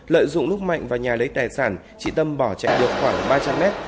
lợi dụng lúc mạnh vào nhà lấy tài sản chị tâm bỏ chạy được khoảng ba trăm linh mét